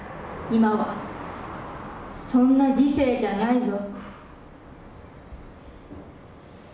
今はそんな時勢じゃないぞ。